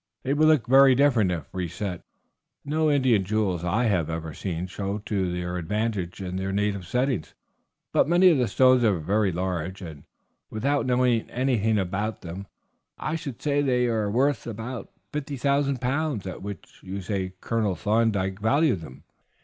"They would look very different if reset. No Indian jewels I have ever seen show to advantage in their native settings; but many of the stones are very large, and without knowing anything about them I should say that they are worth the 50,000 pounds at which you say Colonel Thorndyke valued them.